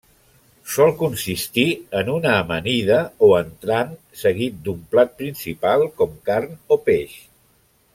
Sol consistir en una amanida o entrant seguit d'un plat principal com carn o peix.